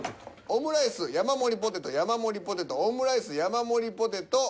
「オムライス」「山盛りポテト」「山盛りポテト」「オムライス」「山盛りポテト」